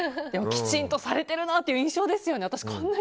きちんとされているなという印象ですよね。